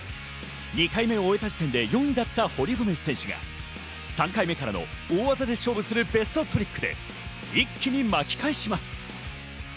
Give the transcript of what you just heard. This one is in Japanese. ２回目を終えた時点で４位だった堀米選手が３回目からの大技で勝負するベストトリックで一気に巻き返します。